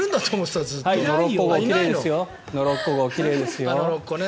ノロッコ号奇麗ですよ。